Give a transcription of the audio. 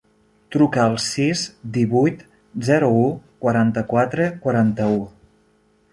Truca al sis, divuit, zero, u, quaranta-quatre, quaranta-u.